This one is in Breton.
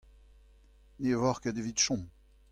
ne voc'h ket evit chom.